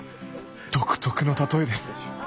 独特の例えです